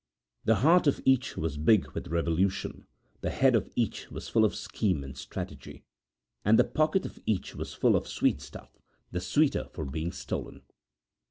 The heart of each was big with revolution, the head of each was full of scheme and strategy, and the pocket of each was full of sweet stuff, the sweeter for being stolen.